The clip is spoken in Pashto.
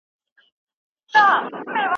مور مې ماته د لمانځه په وخت د خشوع نصیحت وکړ.